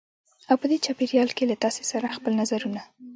او په دې چاپېریال کې له تاسې سره خپل نظرونه